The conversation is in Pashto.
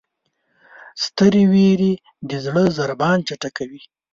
سترې وېرې د زړه ضربان چټکوي.